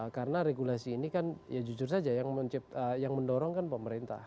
karena regulasi ini kan ya jujur saja yang mendorongkan pemerintah